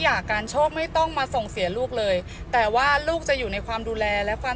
อยากการโชคไม่ต้องมาส่งเสียลูกเลยแต่ว่าลูกจะอยู่ในความดูแลและความ